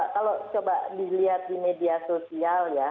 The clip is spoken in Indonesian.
kalau coba dilihat di media sosial ya